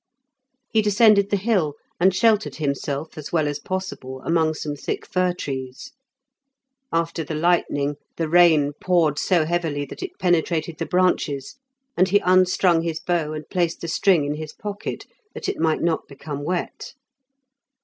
He descended the hill, and sheltered himself as well as possible among some thick fir trees. After the lightning, the rain poured so heavily that it penetrated the branches, and he unstrung his bow and placed the string in his pocket, that it might not become wet.